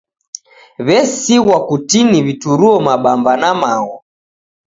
W'esoghwa kutini w'ituruo mabamba na magho.